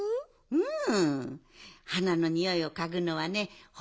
うん。